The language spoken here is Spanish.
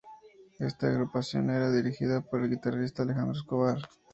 Esta agrupación era dirigida por el guitarrista Alejandro Escobar.